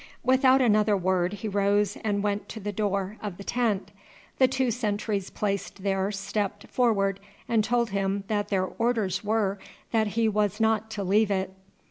Without another word he rose and went to the door of the tent. The two sentries placed there stepped forward and told him that their orders were that he was not to leave it.